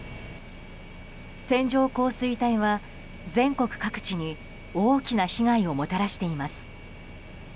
線状降水帯は全国各地に大きな被害をもたらしています。